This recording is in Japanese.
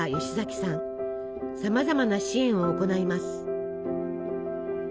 さまざまな支援を行います。